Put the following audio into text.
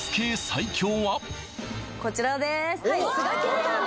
こちらです